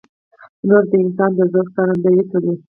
هنر د انسان د ذوق ښکارندویي کوي.